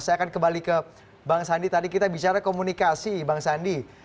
saya akan kembali ke bang sandi tadi kita bicara komunikasi bang sandi